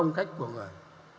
phong cách của người